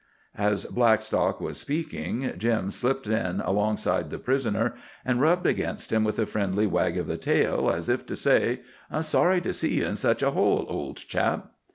As Blackstock was speaking, Jim slipped in alongside the prisoner and rubbed against him with a friendly wag of the tail as if to say: "Sorry to see you in such a hole, old chap."